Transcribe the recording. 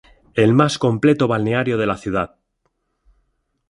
El más completo balneario de la ciudad.